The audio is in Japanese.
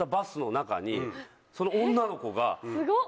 すごっ！